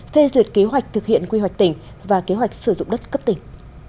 phê duyệt kế hoạch thực hiện quy hoạch tỉnh và kế hoạch sử dụng đất cấp tỉnh